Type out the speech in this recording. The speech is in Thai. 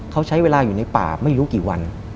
เขาใช้เวลาอยู่ในป่าไม่รู้กี่วัน